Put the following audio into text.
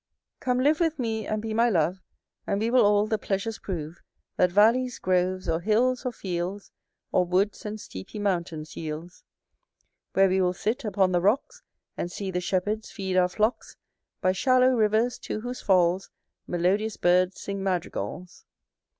Come live with me, and be my love, And we will all the pleasures prove, That valleys, groves, or hills, or fields, Or woods, and steepy mountains yields; Where we will sit upon the rocks, And see the shepherds feed our flocks, By shallow rivers, to whose falls Melodious birds sing madrigals.